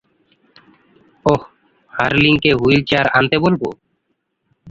ওহ, হারলিংকে হুইলচেয়ার আনতে বলবো?